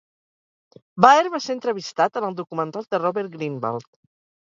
Baer va ser entrevistat en el documental de Robert Greenwald "".